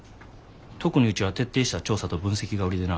特にうちは徹底した調査と分析が売りでな。